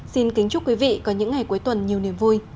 xin kính chúc quý vị có những ngày cuối tuần nhiều niềm vui